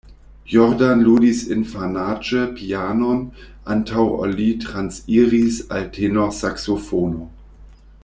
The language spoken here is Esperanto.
Jordan ludis infanaĝe pianon, antaŭ ol li transiris al tenorsaksofono.